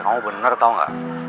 kamu bener tau gak